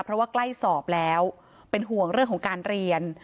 เพราะว่าใกล้สอบแล้วเป็นห่วงเรื่องของการเรียน